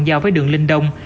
giao với đường linh đông